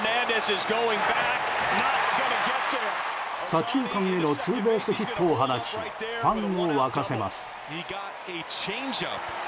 左中間へのツーベースヒットを放ちファンを沸かせます。